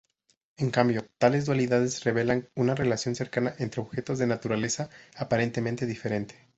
En cambio, tales dualidades revelan una relación cercana entre objetos de naturaleza aparentemente diferente.